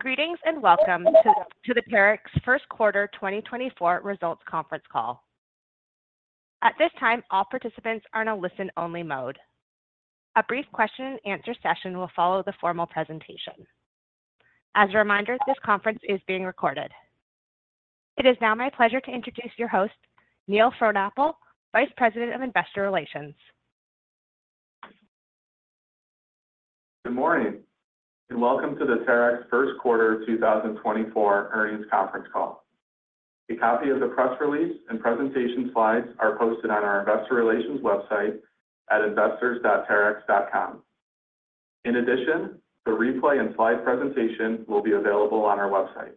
Greetings and welcome to the Terex First Quarter 2024 Results Conference Call. At this time, all participants are in a listen-only mode. A brief question-and-answer session will follow the formal presentation. As a reminder, this conference is being recorded. It is now my pleasure to introduce your host, Neil Frohnapple, Vice President of Investor Relations. Good morning and welcome to the Terex's first quarter 2024 earnings conference call. A copy of the press release and presentation slides are posted on our Investor Relations website at investors.terex.com. In addition, the replay and slide presentation will be available on our website.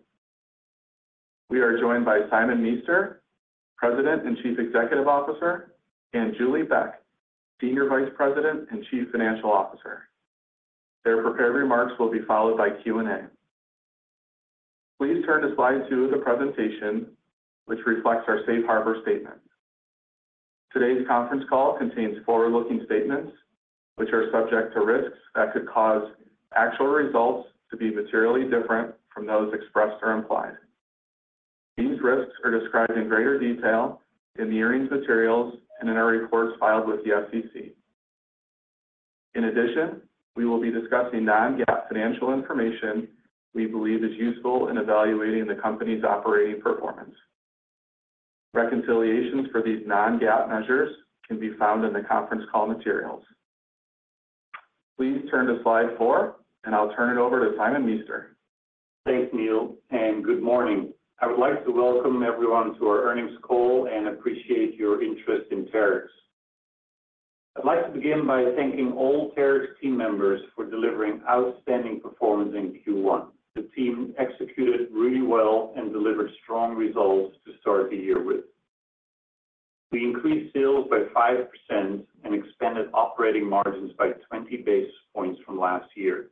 We are joined by Simon Meester, President and Chief Executive Officer, and Julie Beck, Senior Vice President and Chief Financial Officer. Their prepared remarks will be followed by Q&A. Please turn to slide 2 of the presentation, which reflects our Safe Harbor Statement. Today's conference call contains forward-looking statements, which are subject to risks that could cause actual results to be materially different from those expressed or implied. These risks are described in greater detail in the earnings materials and in our reports filed with the SEC. In addition, we will be discussing non-GAAP financial information we believe is useful in evaluating the company's operating performance. Reconciliations for these non-GAAP measures can be found in the conference call materials. Please turn to slide 4, and I'll turn it over to Simon Meester. Thanks, Neil, and good morning. I would like to welcome everyone to our earnings call and appreciate your interest in Terex's. I'd like to begin by thanking all Terex's team members for delivering outstanding performance in Q1. The team executed really well and delivered strong results to start the year with. We increased sales by 5% and expanded operating margins by 20 basis points from last year.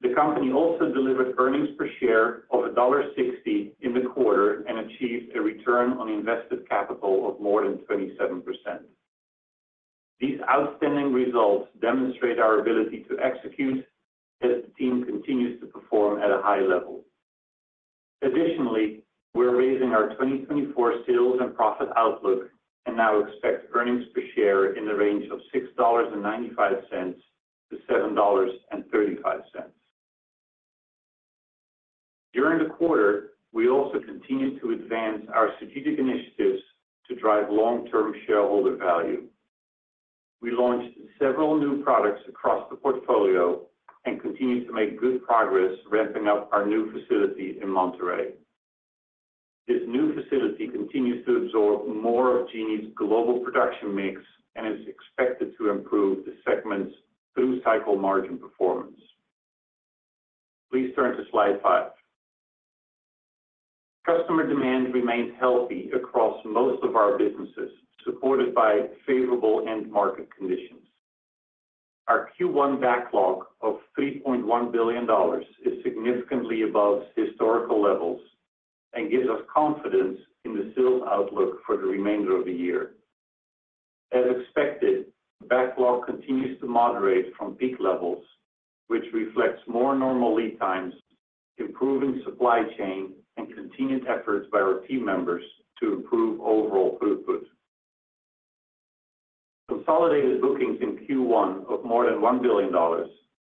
The company also delivered earnings per share of $1.60 in the quarter and achieved a return on invested capital of more than 27%. These outstanding results demonstrate our ability to execute as the team continues to perform at a high level. Additionally, we're raising our 2024 sales and profit outlook and now expect earnings per share in the range of $6.95-$7.35. During the quarter, we also continue to advance our strategic initiatives to drive long-term shareholder value. We launched several new products across the portfolio and continue to make good progress ramping up our new facility in Monterrey. This new facility continues to absorb more of Genie's global production mix and is expected to improve the segment's through-cycle margin performance. Please turn to slide 5. Customer demand remains healthy across most of our businesses, supported by favorable end-market conditions. Our Q1 backlog of $3.1 billion is significantly above historical levels and gives us confidence in the sales outlook for the remainder of the year. As expected, the backlog continues to moderate from peak levels, which reflects more normal lead times, improving supply chain, and continued efforts by our team members to improve overall throughput. Consolidated bookings in Q1 of more than $1 billion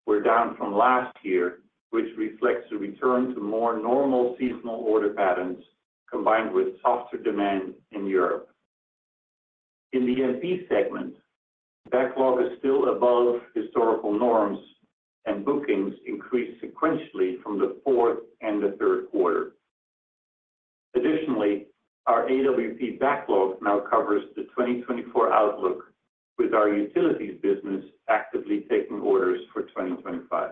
were down from last year, which reflects a return to more normal seasonal order patterns combined with softer demand in Europe. In the MP segment, the backlog is still above historical norms, and bookings increased sequentially from the fourth and the third quarter. Additionally, our AWP backlog now covers the 2024 outlook, with our utilities business actively taking orders for 2025.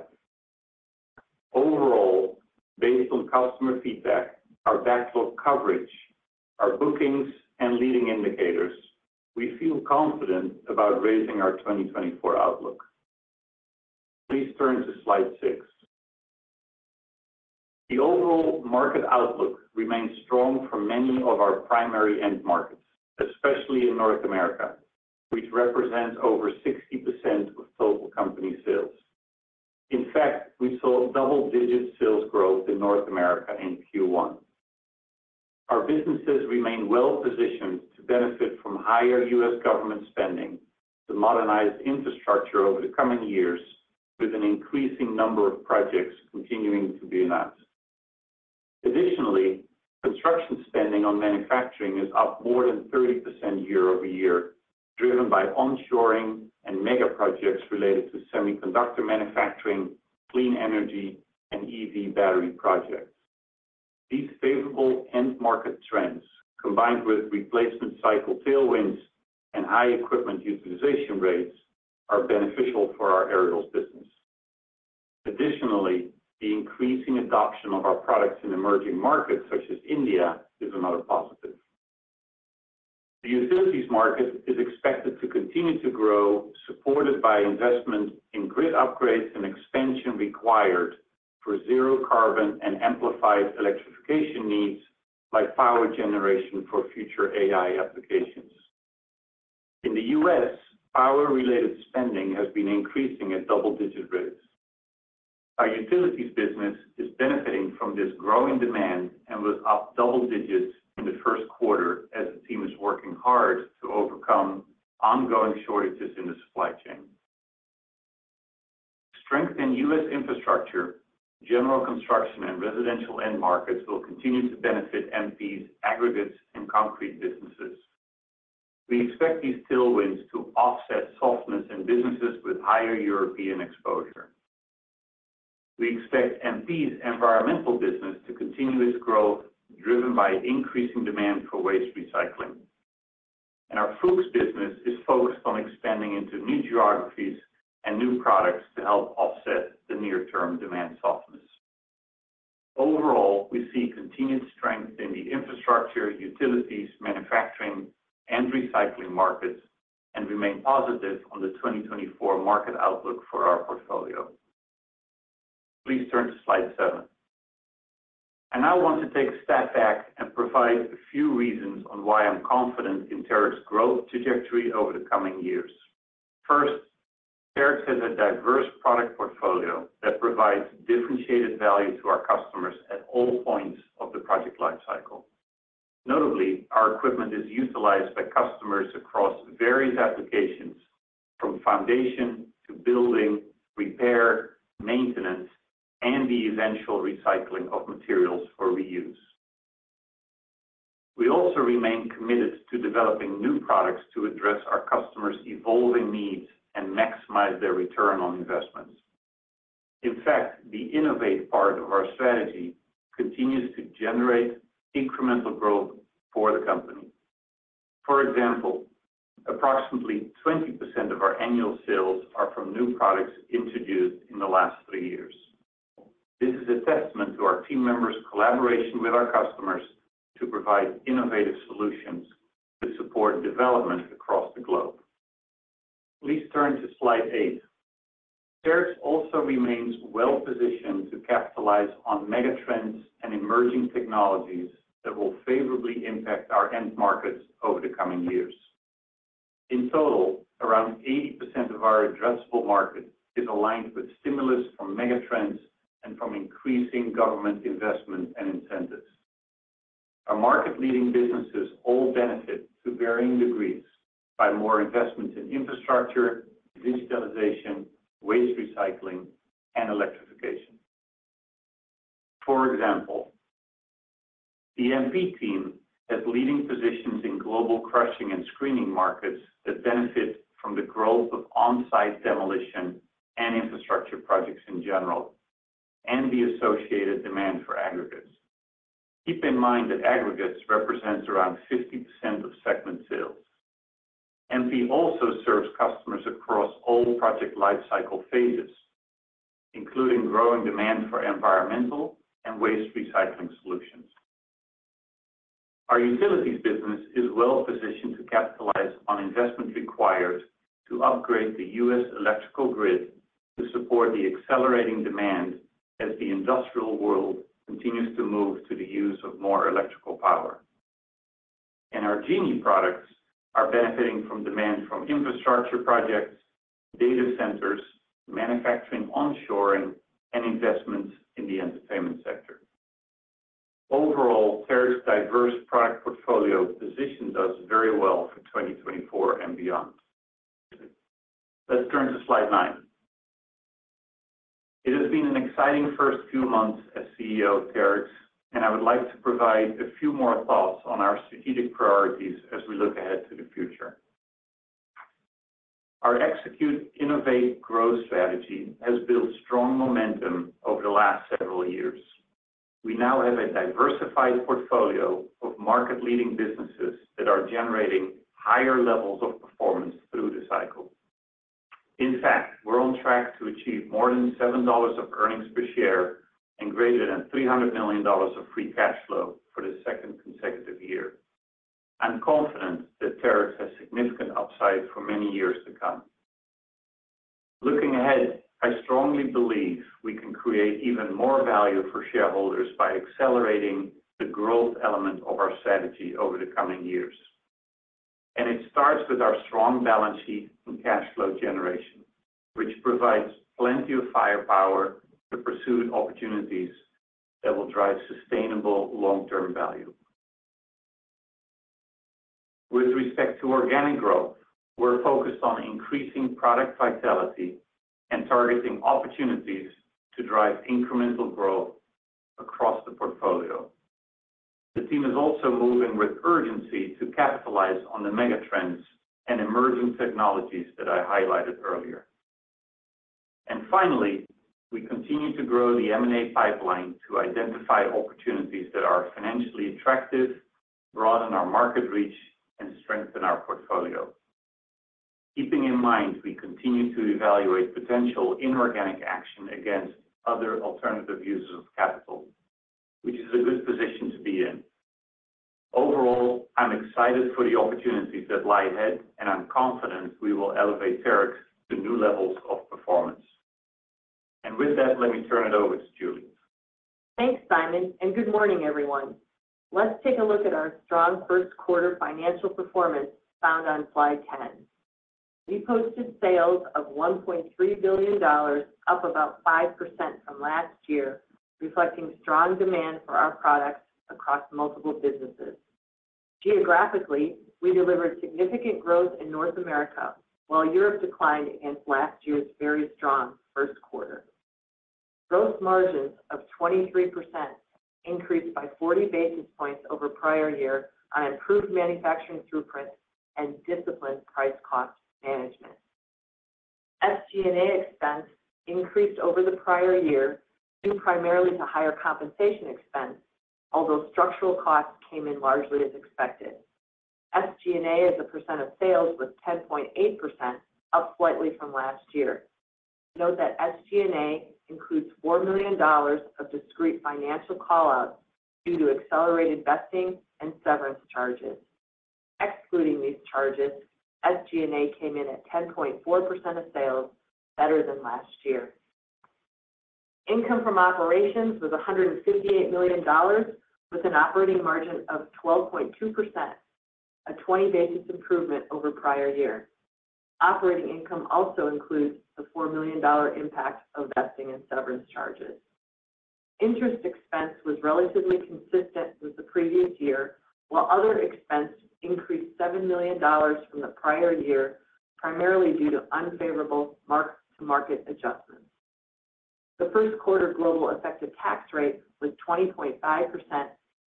Overall, based on customer feedback, our backlog coverage, our bookings, and leading indicators, we feel confident about raising our 2024 outlook. Please turn to slide 6. The overall market outlook remains strong for many of our primary end markets, especially in North America, which represents over 60% of total company sales. In fact, we saw double-digit sales growth in North America in Q1. Our businesses remain well-positioned to benefit from higher US government spending, the modernized infrastructure over the coming years, with an increasing number of projects continuing to be announced. Additionally, construction spending on manufacturing is up more than 30% year-over-year, driven by onshoring and mega projects related to semiconductor manufacturing, clean energy, and EV battery projects. These favorable end-market trends, combined with replacement cycle tailwinds and high equipment utilization rates, are beneficial for our aerials business. Additionally, the increasing adoption of our products in emerging markets such as India is another positive. The utilities market is expected to continue to grow, supported by investment in grid upgrades and expansion required for zero-carbon and amplified electrification needs like power generation for future AI applications. In the U.S., power-related spending has been increasing at double-digit rates. Our utilities business is benefiting from this growing demand and was up double digits in the first quarter as the team is working hard to overcome ongoing shortages in the supply chain. Strengthened U.S. Infrastructure, general construction, and residential end markets will continue to benefit MP's aggregates and concrete businesses. We expect these tailwinds to offset softness in businesses with higher European exposure. We expect MP's environmental business to continue its growth, driven by increasing demand for waste recycling. And our Fuchs business is focused on expanding into new geographies and new products to help offset the near-term demand softness. Overall, we see continued strength in the infrastructure, utilities, manufacturing, and recycling markets and remain positive on the 2024 market outlook for our portfolio. Please turn to slide 7. And now I want to take a step back and provide a few reasons on why I'm confident in Terex's growth trajectory over the coming years. First, Terex has a diverse product portfolio that provides differentiated value to our customers at all points of the project lifecycle. Notably, our equipment is utilized by customers across various applications, from foundation to building, repair, maintenance, and the eventual recycling of materials for reuse. We also remain committed to developing new products to address our customers' evolving needs and maximize their return on investments. In fact, the innovate part of our strategy continues to generate incremental growth for the company. For example, approximately 20% of our annual sales are from new products introduced in the last three years. This is a testament to our team members' collaboration with our customers to provide innovative solutions that support development across the globe. Please turn to slide 8. Terex also remains well-positioned to capitalize on megatrends and emerging technologies that will favorably impact our end markets over the coming years. In total, around 80% of our addressable market is aligned with stimulus from megatrends and from increasing government investment and incentives. Our market-leading businesses all benefit to varying degrees by more investment in infrastructure, digitalization, waste recycling, and electrification. For example, the MP team has leading positions in global crushing and screening markets that benefit from the growth of on-site demolition and infrastructure projects in general, and the associated demand for aggregates. Keep in mind that aggregates represent around 50% of segment sales. MP also serves customers across all project lifecycle phases, including growing demand for environmental and waste recycling solutions. Our utilities business is well-positioned to capitalize on investment required to upgrade the US electrical grid to support the accelerating demand as the industrial world continues to move to the use of more electrical power. And our Genie products are benefiting from demand from infrastructure projects, data centers, manufacturing onshoring, and investments in the entertainment sector. Overall, Terex's diverse product portfolio positions us very well for 2024 and beyond. Let's turn to slide 9. It has been an exciting first few months as CEO of Terex, and I would like to provide a few more thoughts on our strategic priorities as we look ahead to the future. Our execute-innovate growth strategy has built strong momentum over the last several years. We now have a diversified portfolio of market-leading businesses that are generating higher levels of performance through the cycle. In fact, we're on track to achieve more than $7 of earnings per share and greater than $300 million of free cash flow for the second consecutive year. I'm confident that Terex has significant upside for many years to come. Looking ahead, I strongly believe we can create even more value for shareholders by accelerating the growth element of our strategy over the coming years. And it starts with our strong balance sheet and cash flow generation, which provides plenty of firepower to pursue opportunities that will drive sustainable long-term value. With respect to organic growth, we're focused on increasing product vitality and targeting opportunities to drive incremental growth across the portfolio. The team is also moving with urgency to capitalize on the mega trends and emerging technologies that I highlighted earlier. And finally, we continue to grow the M&A pipeline to identify opportunities that are financially attractive, broaden our market reach, and strengthen our portfolio. Keeping in mind, we continue to evaluate potential inorganic action against other alternative uses of capital, which is a good position to be in. Overall, I'm excited for the opportunities that lie ahead, and I'm confident we will elevate Terex to new levels of performance. And with that, let me turn it over to Julie. Thanks, Simon, and good morning, everyone. Let's take a look at our strong first-quarter financial performance found on slide 10. We posted sales of $1.3 billion, up about 5% from last year, reflecting strong demand for our products across multiple businesses. Geographically, we delivered significant growth in North America while Europe declined against last year's very strong first quarter. Gross margins of 23% increased by 40 basis points over prior year on improved manufacturing throughput and disciplined price cost management. SG&A expense increased over the prior year primarily to higher compensation expense, although structural costs came in largely as expected. SG&A is a percent of sales, with 10.8% up slightly from last year. Note that SG&A includes $4 million of discrete financial callouts due to accelerated vesting and severance charges. Excluding these charges, SG&A came in at 10.4% of sales, better than last year. Income from operations was $158 million, with an operating margin of 12.2%, a 20 basis point improvement over prior year. Operating income also includes the $4 million impact of vesting and severance charges. Interest expense was relatively consistent with the previous year, while other expense increased $7 million from the prior year, primarily due to unfavorable mark-to-market adjustments. The first-quarter global effective tax rate was 20.5%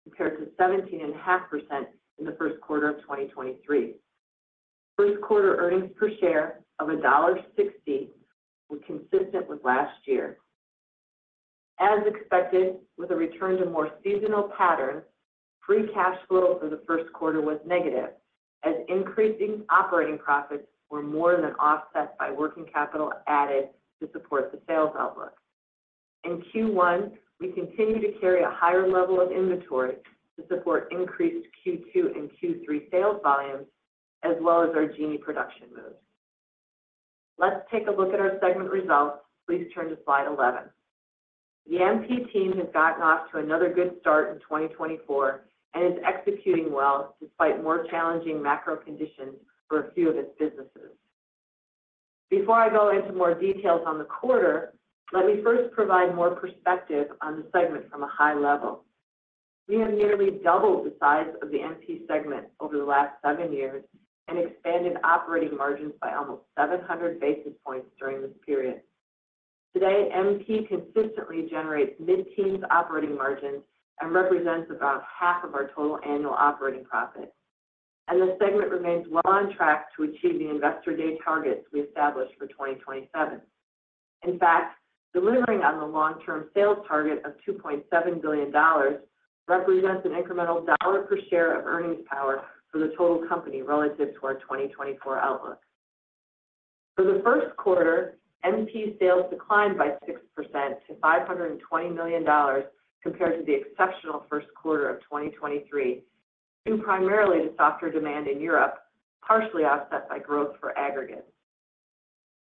compared to 17.5% in the first quarter of 2023. First-quarter earnings per share of $1.60 were consistent with last year. As expected, with a return to more seasonal patterns, free cash flow for the first quarter was negative, as increasing operating profits were more than offset by working capital added to support the sales outlook. In Q1, we continue to carry a higher level of inventory to support increased Q2 and Q3 sales volumes, as well as our Genie production moves. Let's take a look at our segment results. Please turn to slide 11. The MP team has gotten off to another good start in 2024 and is executing well despite more challenging macro conditions for a few of its businesses. Before I go into more details on the quarter, let me first provide more perspective on the segment from a high level. We have nearly doubled the size of the MP segment over the last seven years and expanded operating margins by almost 700 basis points during this period. Today, MP consistently generates mid-teens operating margins and represents about half of our total annual operating profit. The segment remains well on track to achieve the investor day targets we established for 2027. In fact, delivering on the long-term sales target of $2.7 billion represents an incremental dollar per share of earnings power for the total company relative to our 2024 outlook. For the first quarter, MP sales declined by 6% to $520 million compared to the exceptional first quarter of 2023, due primarily to softer demand in Europe, partially offset by growth for aggregates.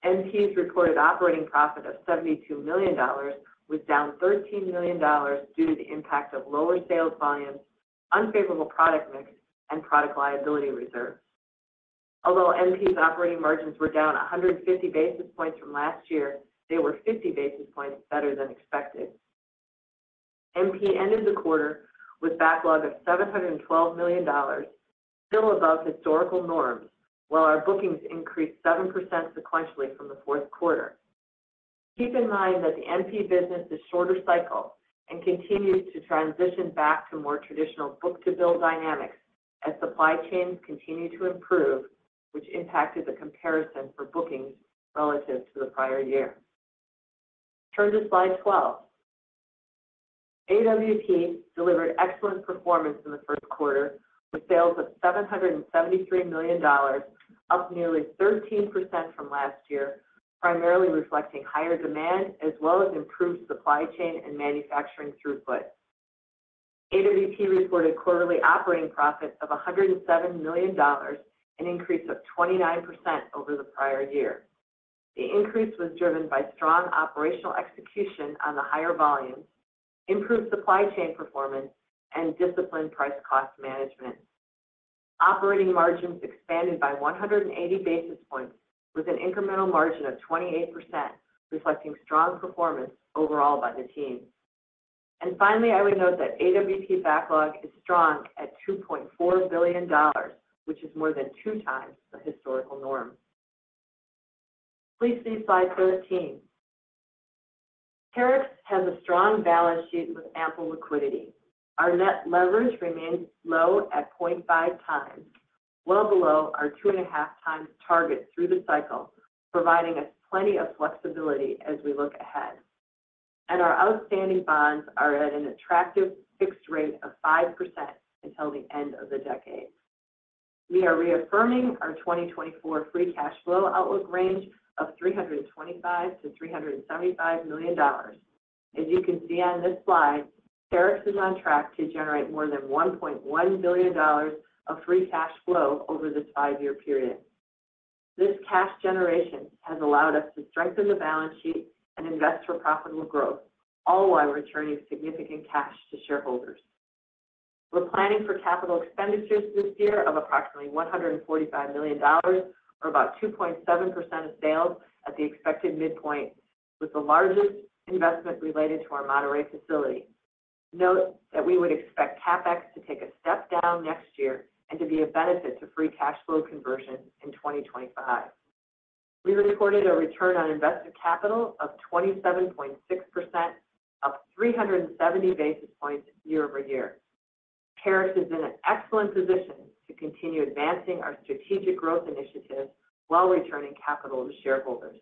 MP's reported operating profit of $72 million was down $13 million due to the impact of lower sales volumes, unfavorable product mix, and product liability reserves. Although MP's operating margins were down 150 basis points from last year, they were 50 basis points better than expected. MP ended the quarter with a backlog of $712 million, still above historical norms, while our bookings increased 7% sequentially from the fourth quarter. Keep in mind that the MP business is shorter cycled and continues to transition back to more traditional book-to-bill dynamics as supply chains continue to improve, which impacted the comparison for bookings relative to the prior year. Turn to slide 12. AWP delivered excellent performance in the first quarter with sales of $773 million, up nearly 13% from last year, primarily reflecting higher demand as well as improved supply chain and manufacturing throughput. AWP reported quarterly operating profits of $107 million, an increase of 29% over the prior year. The increase was driven by strong operational execution on the higher volumes, improved supply chain performance, and disciplined price cost management. Operating margins expanded by 180 basis points with an incremental margin of 28%, reflecting strong performance overall by the team. And finally, I would note that AWP backlog is strong at $2.4 billion, which is more than 2x the historical norm. Please see slide 13. Terex has a strong balance sheet with ample liquidity. Our net leverage remains low at 0.5x, well below our 2.5x target through the cycle, providing us plenty of flexibility as we look ahead. And our outstanding bonds are at an attractive fixed rate of 5% until the end of the decade. We are reaffirming our 2024 free cash flow outlook range of $325milion-$375 million. As you can see on this slide, Terex is on track to generate more than $1.1 billion of free cash flow over this five-year period. This cash generation has allowed us to strengthen the balance sheet and invest for profitable growth, all while returning significant cash to shareholders. We're planning for capital expenditures this year of approximately $145 million, or about 2.7% of sales, at the expected midpoint with the largest investment related to our Monterrey facility. Note that we would expect CapEx to take a step down next year and to be a benefit to free cash flow conversion in 2025. We reported a return on invested capital of 27.6%, up 370 basis points year-over-year. Terex is in an excellent position to continue advancing our strategic growth initiatives while returning capital to shareholders.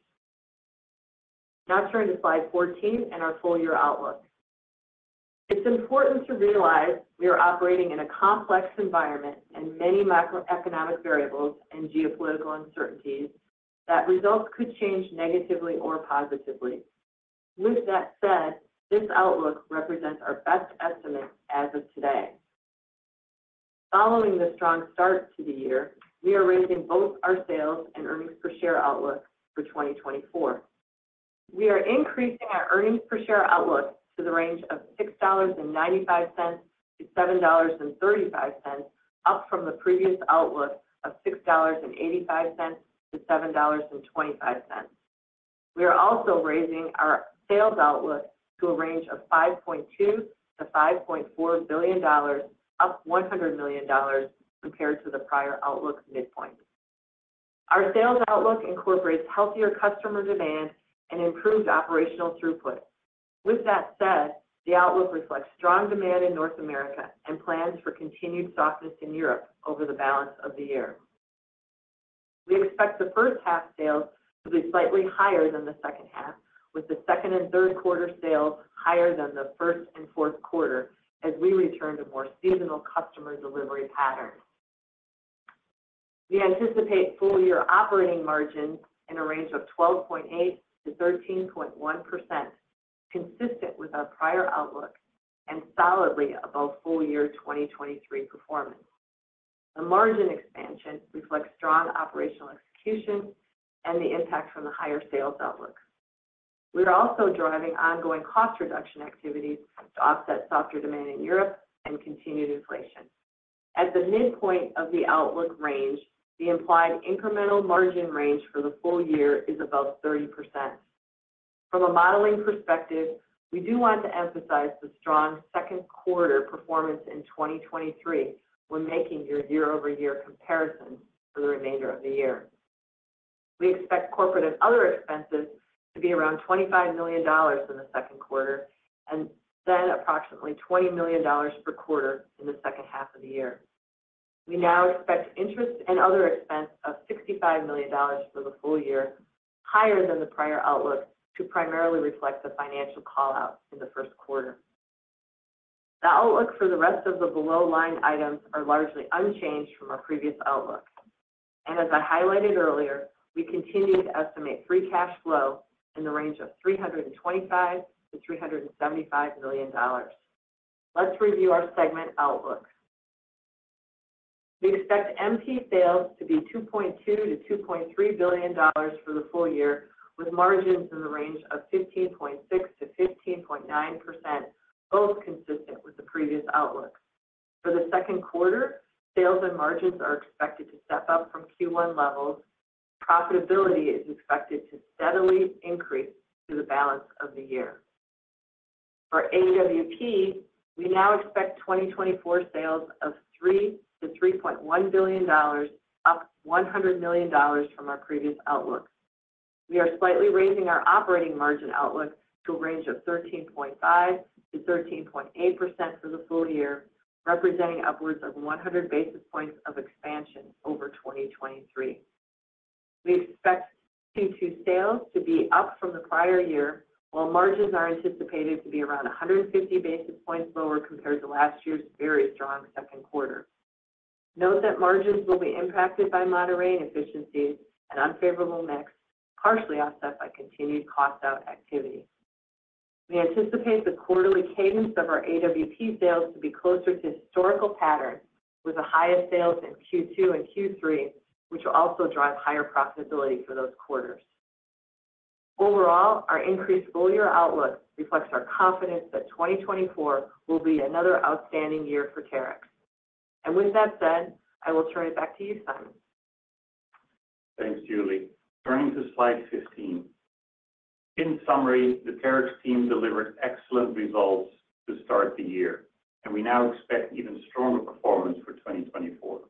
Now turn to slide 14 and our full-year outlook. It's important to realize we are operating in a complex environment and many macroeconomic variables and geopolitical uncertainties that results could change negatively or positively. With that said, this outlook represents our best estimate as of today. Following the strong start to the year, we are raising both our sales and earnings per share outlook for 2024. We are increasing our earnings per share outlook to the range of $6.95-$7.35, up from the previous outlook of $6.85-$7.25. We are also raising our sales outlook to a range of $5.2billion-$5.4 billion, up $100 million compared to the prior outlook midpoint. Our sales outlook incorporates healthier customer demand and improved operational throughput. With that said, the outlook reflects strong demand in North America and plans for continued softness in Europe over the balance of the year. We expect the first half sales to be slightly higher than the second half, with the second and third quarter sales higher than the first and fourth quarter as we return to more seasonal customer delivery patterns. We anticipate full-year operating margins in a range of 12.8%-13.1%, consistent with our prior outlook and solidly above full-year 2023 performance. The margin expansion reflects strong operational execution and the impact from the higher sales outlook. We are also driving ongoing cost reduction activities to offset softer demand in Europe and continued inflation. At the midpoint of the outlook range, the implied incremental margin range for the full year is above 30%. From a modeling perspective, we do want to emphasize the strong second quarter performance in 2023 when making your year-over-year comparison for the remainder of the year. We expect corporate and other expenses to be around $25 million in the second quarter and then approximately $20 million per quarter in the second half of the year. We now expect interest and other expense of $65 million for the full year, higher than the prior outlook, to primarily reflect the financial callout in the first quarter. The outlook for the rest of the below-line items is largely unchanged from our previous outlook. As I highlighted earlier, we continue to estimate free cash flow in the range of $325million-$375 million. Let's review our segment outlook. We expect MP sales to be $2.2billion-$2.3 billion for the full year, with margins in the range of 15.6%-15.9%, both consistent with the previous outlook. For the second quarter, sales and margins are expected to step up from Q1 levels. Profitability is expected to steadily increase through the balance of the year. For AWP, we now expect 2024 sales of $3billion-$3.1 billion, up $100 million from our previous outlook. We are slightly raising our operating margin outlook to a range of 13.5%-13.8% for the full year, representing upwards of 100 basis points of expansion over 2023. We expect Q2 sales to be up from the prior year, while margins are anticipated to be around 150 basis points lower compared to last year's very strong second quarter. Note that margins will be impacted by Monterrey and efficiencies and unfavorable mix, partially offset by continued cost out activity. We anticipate the quarterly cadence of our AWP sales to be closer to historical patterns, with the highest sales in Q2 and Q3, which will also drive higher profitability for those quarters. Overall, our increased full-year outlook reflects our confidence that 2024 will be another outstanding year for Terex. And with that said, I will turn it back to you, Simon. Thanks, Julie. Turning to slide 15. In summary, the Terex team delivered excellent results to start the year, and we now expect even stronger performance for 2024.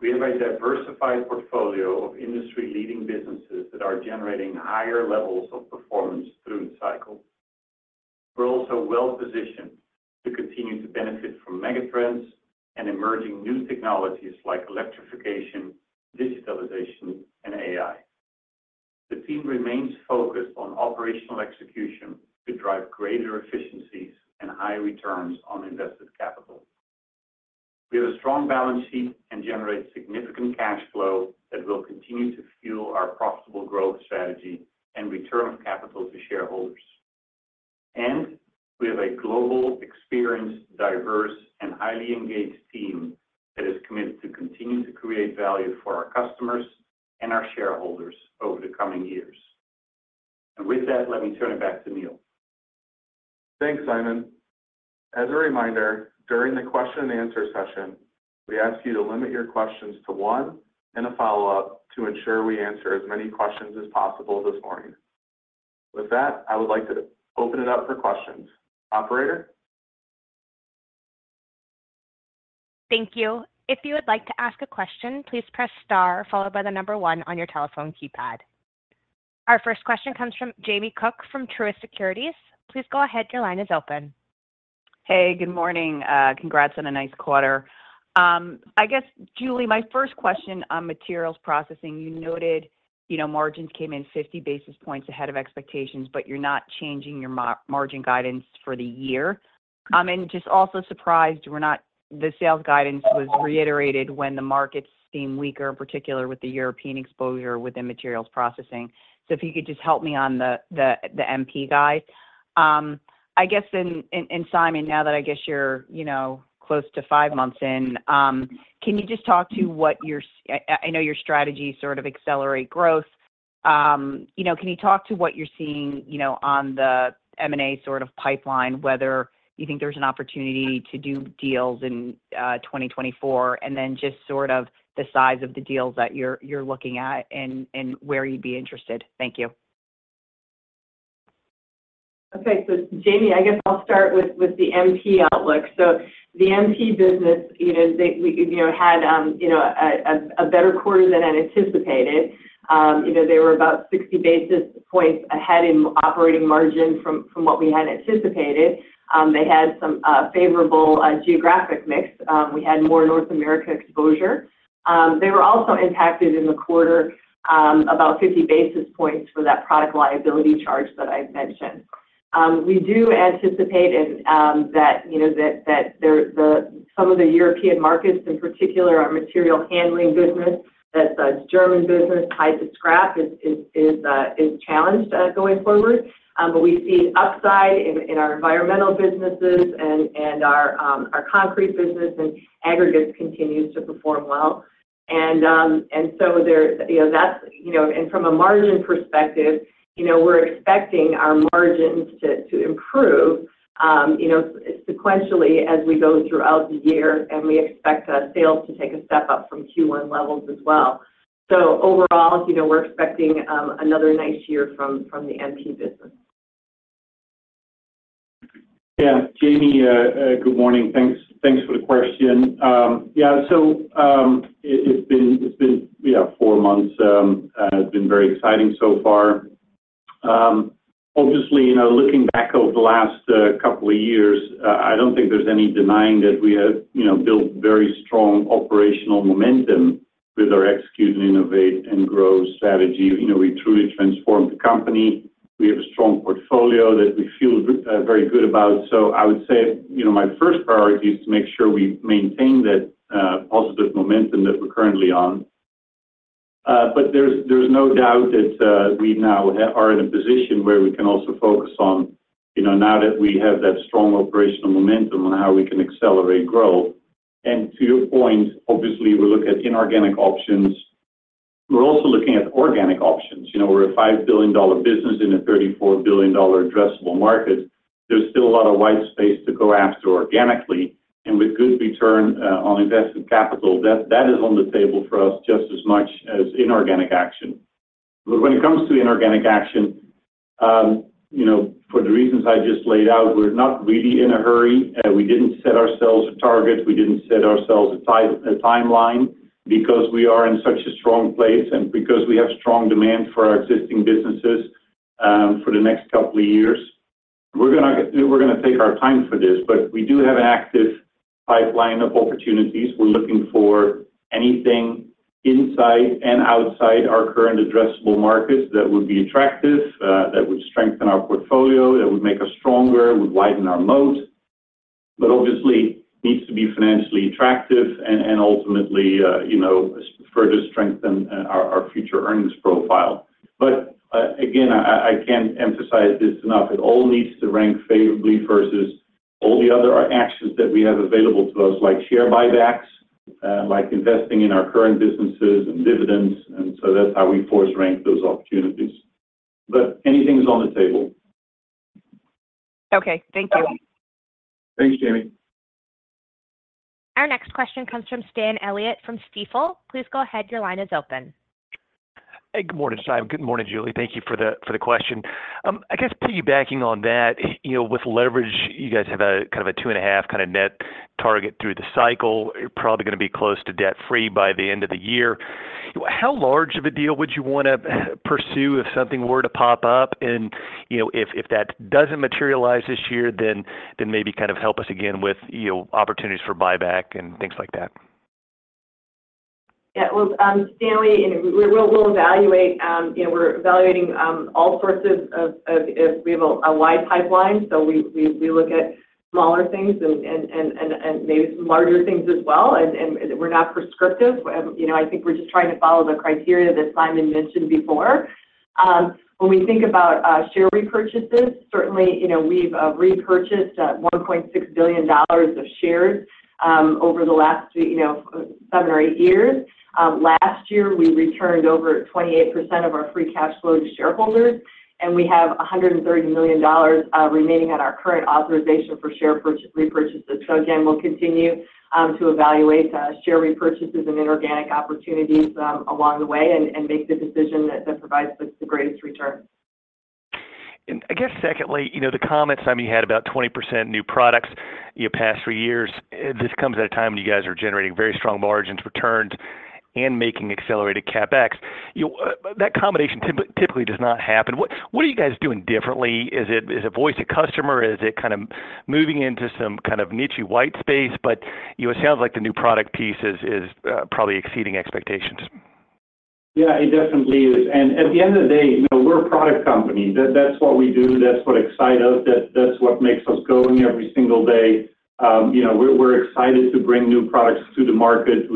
We have a diversified portfolio of industry-leading businesses that are generating higher levels of performance through the cycle. We're also well positioned to continue to benefit from megatrends and emerging new technologies like electrification, digitalization, and AI. The team remains focused on operational execution to drive greater efficiencies and high returns on invested capital. We have a strong balance sheet and generate significant cash flow that will continue to fuel our profitable growth strategy and return of capital to shareholders. And we have a global, experienced, diverse, and highly engaged team that is committed to continue to create value for our customers and our shareholders over the coming years. And with that, let me turn it back to Neil. Thanks, Simon. As a reminder, during the question-and-answer session, we ask you to limit your questions to one and a follow-up to ensure we answer as many questions as possible this morning. With that, I would like to open it up for questions. Operator? Thank you. If you would like to ask a question, please press star followed by the number one on your telephone keypad. Our first question comes from Jamie Cook from Truist Securities. Please go ahead. Your line is open. Hey, good morning. Congrats on a nice quarter. I guess, Julie, my first question on materials processing, you noted margins came in 50 basis points ahead of expectations, but you're not changing your margin guidance for the year. I'm just also surprised the sales guidance was reiterated when the markets seemed weaker, in particular with the European exposure within materials processing. So if you could just help me on the MP guide. I guess, and Simon, now that I guess you're close to five months in, can you just talk to what your—I know your strategy is sort of accelerate growth. Can you talk to what you're seeing on the M&A sort of pipeline, whether you think there's an opportunity to do deals in 2024, and then just sort of the size of the deals that you're looking at and where you'd be interested? Thank you. Okay. So, Jamie, I guess I'll start with the MP outlook. So the MP business, they had a better quarter than I anticipated. They were about 60 basis points ahead in operating margin from what we had anticipated. They had some favorable geographic mix. We had more North America exposure. They were also impacted in the quarter about 50 basis points for that product liability charge that I mentioned. We do anticipate that some of the European markets, in particular our material handling business, that's the German business, tied to scrap, is challenged going forward. But we see upside in our environmental businesses and our concrete business, and aggregates continue to perform well. And so that's and from a margin perspective, we're expecting our margins to improve sequentially as we go throughout the year, and we expect sales to take a step up from Q1 levels as well. Overall, we're expecting another nice year from the MP business. Yeah. Jamie, good morning. Thanks for the question. Yeah. So it's been four months. It's been very exciting so far. Obviously, looking back over the last couple of years, I don't think there's any denying that we have built very strong operational momentum with our execute and innovate and grow strategy. We truly transformed the company. We have a strong portfolio that we feel very good about. So I would say my first priority is to make sure we maintain that positive momentum that we're currently on. But there's no doubt that we now are in a position where we can also focus on now that we have that strong operational momentum on how we can accelerate growth. And to your point, obviously, we look at inorganic options. We're also looking at organic options. We're a $5 billion business in a $34 billion addressable market. There's still a lot of white space to go after organically. And with good return on invested capital, that is on the table for us just as much as inorganic action. But when it comes to inorganic action, for the reasons I just laid out, we're not really in a hurry. We didn't set ourselves a target. We didn't set ourselves a timeline because we are in such a strong place and because we have strong demand for our existing businesses for the next couple of years. We're going to take our time for this, but we do have an active pipeline of opportunities. We're looking for anything inside and outside our current addressable markets that would be attractive, that would strengthen our portfolio, that would make us stronger, would widen our moat. But obviously, it needs to be financially attractive and ultimately further strengthen our future earnings profile. Again, I can't emphasize this enough. It all needs to rank favorably versus all the other actions that we have available to us, like share buybacks, like investing in our current businesses and dividends. So that's how we force rank those opportunities. Anything's on the table. Okay. Thank you. Thanks, Jamie. Our next question comes from Stan Elliott from Stifel. Please go ahead. Your line is open. Hey, good morning, Simon. Good morning, Julie. Thank you for the question. I guess piggybacking on that, with leverage, you guys have kind of a two and a half kind of net target through the cycle. You're probably going to be close to debt-free by the end of the year. How large of a deal would you want to pursue if something were to pop up? And if that doesn't materialize this year, then maybe kind of help us again with opportunities for buyback and things like that. Yeah. Well, Stanley, we'll evaluate. We're evaluating all sorts of; we have a wide pipeline, so we look at smaller things and maybe some larger things as well. And we're not prescriptive. I think we're just trying to follow the criteria that Simon mentioned before. When we think about share repurchases, certainly, we've repurchased $1.6 billion of shares over the last seven or eight years. Last year, we returned over 28% of our free cash flow to shareholders, and we have $130 million remaining on our current authorization for share repurchases. So again, we'll continue to evaluate share repurchases and inorganic opportunities along the way and make the decision that provides the greatest return. I guess secondly, the comment Simon had about 20% new products past three years. This comes at a time when you guys are generating very strong margins, returns, and making accelerated CapEx. That combination typically does not happen. What are you guys doing differently? Is it voice to customer? Is it kind of moving into some kind of niche-y white space? But it sounds like the new product piece is probably exceeding expectations. Yeah, it definitely is. At the end of the day, we're a product company. That's what we do. That's what excites us. That's what makes us go in every single day. We're excited to bring new products to the market.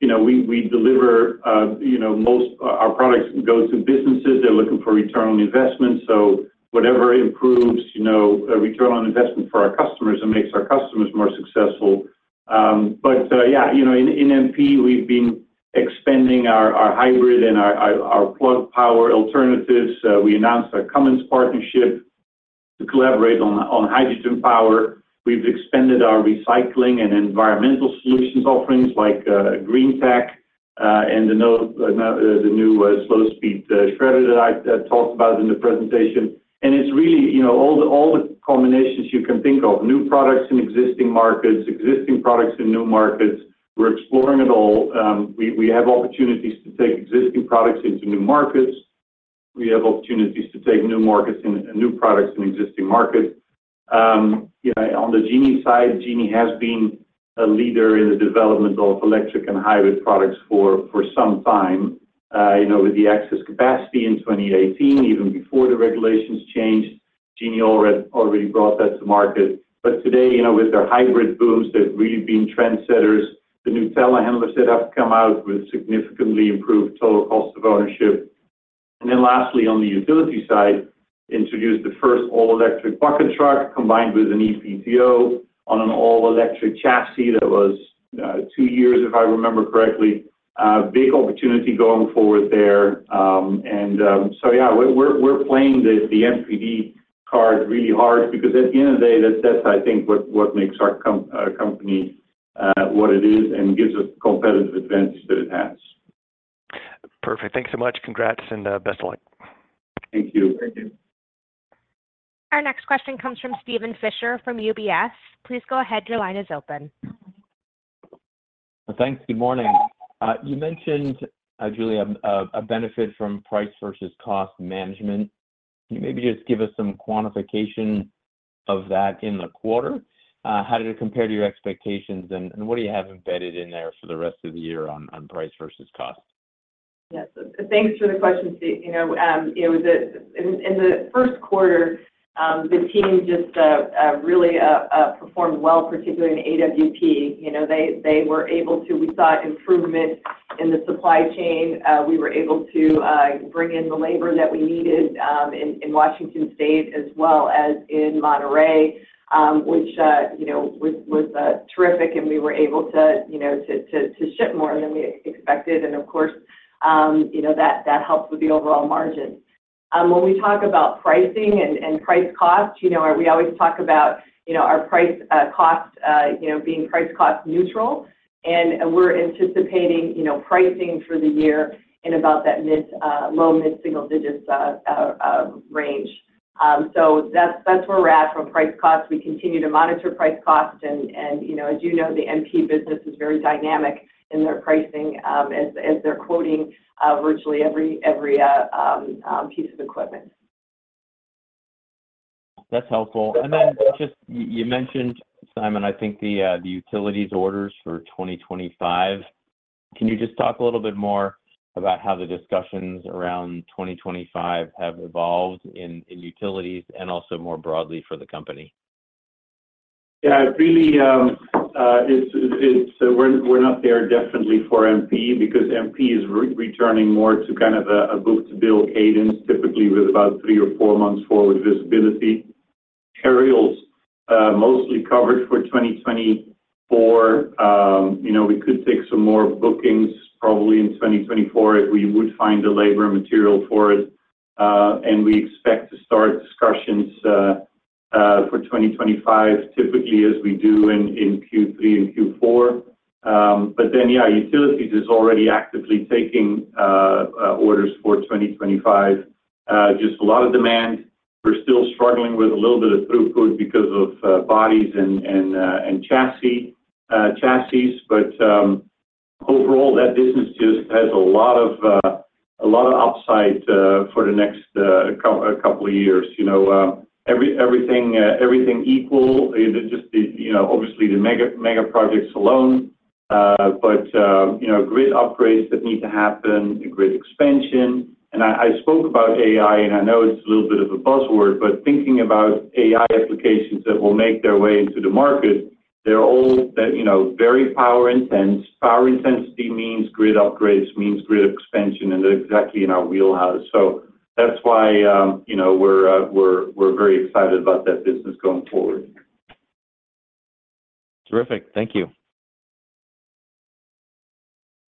We deliver most our products go to businesses. They're looking for return on investment. So whatever improves return on investment for our customers, it makes our customers more successful. But yeah, in MP, we've been expanding our hybrid and our plug power alternatives. We announced our Cummins partnership to collaborate on hydrogen power. We've expanded our recycling and environmental solutions offerings like Green Tech and the new slow-speed shredder that I talked about in the presentation. It's really all the combinations you can think of: new products in existing markets, existing products in new markets. We're exploring it all. We have opportunities to take existing products into new markets. We have opportunities to take new products in existing markets. On the Genie side, Genie has been a leader in the development of electric and hybrid products for some time, with the XC capacity in 2018, even before the regulations changed. Genie already brought that to market. But today, with their hybrid booms, they've really been trendsetters. The new telehandlers that have come out with significantly improved total cost of ownership. And then lastly, on the utility side, introduced the first all-electric bucket truck combined with an ePTO on an all-electric chassis that was two years, if I remember correctly. Big opportunity going forward there. And so yeah, we're playing the NPD card really hard because at the end of the day, that's, I think, what makes our company what it is and gives us the competitive advantage that it has. Perfect. Thanks so much. Congrats and best of luck. Thank you. Our next question comes from Steven Fisher from UBS. Please go ahead. Your line is open. Thanks. Good morning. You mentioned, Julie, a benefit from price versus cost management. Can you maybe just give us some quantification of that in the quarter? How did it compare to your expectations, and what do you have embedded in there for the rest of the year on price versus cost? Yeah. So thanks for the question, Steve. In the first quarter, the team just really performed well, particularly in AWP. They were able to. We saw improvement in the supply chain. We were able to bring in the labor that we needed in Washington State as well as in Monterrey, which was terrific. And we were able to ship more than we expected. And of course, that helped with the overall margins. When we talk about pricing and price cost, we always talk about our price cost being price cost neutral. And we're anticipating pricing for the year in about that low-mid-single-digit range. So that's where we're at from price cost. We continue to monitor price cost. And as you know, the MP business is very dynamic in their pricing as they're quoting virtually every piece of equipment. That's helpful. And then you mentioned, Simon, I think the utilities orders for 2025. Can you just talk a little bit more about how the discussions around 2025 have evolved in utilities and also more broadly for the company? Yeah. Really, we're not there definitely for MP because MP is returning more to kind of a book-to-bill cadence, typically with about 3 or 4 months' forward visibility. Materials mostly covered for 2024. We could take some more bookings probably in 2024 if we would find the labor and material for it. And we expect to start discussions for 2025 typically as we do in Q3 and Q4. But then yeah, utilities is already actively taking orders for 2025. Just a lot of demand. We're still struggling with a little bit of throughput because of bodies and chassis. But overall, that business just has a lot of upside for the next couple of years. Everything equal. Obviously, the mega projects alone, but grid upgrades that need to happen, grid expansion. I spoke about AI, and I know it's a little bit of a buzzword, but thinking about AI applications that will make their way into the market, they're all very power-intense. Power intensity means grid upgrades, means grid expansion, and they're exactly in our wheelhouse. So that's why we're very excited about that business going forward. Terrific. Thank you.